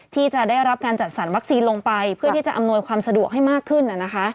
ที่จะได้รับการจัดสรรวัคซีนลงไปเพื่อที่จะอำนวยความสะดวกให้มากขึ้น